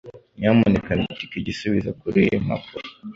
Nyamuneka andika igisubizo kuriyi mpapuro.